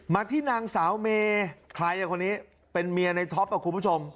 มาที่นางสาวเมใครคนนี้เป็นเมียในท็อปอ่ะคุณผู้ชม